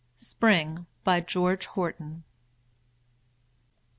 SPRING. BY GEORGE HORTON.